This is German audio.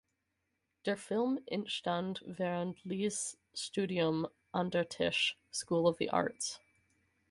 Der Film entstand während Lees Studium an der Tisch School of the Arts.